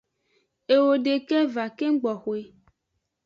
Owo deke va keng gboxwe.